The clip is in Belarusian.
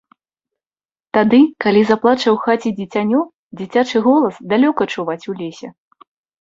Тады, калі заплача ў хаце дзіцянё, дзіцячы голас далёка чуваць у лесе.